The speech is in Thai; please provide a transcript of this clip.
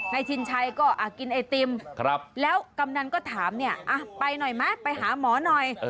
ชินชัยก็กินไอติมแล้วกำนันก็ถามเนี่ยไปหน่อยไหมไปหาหมอหน่อย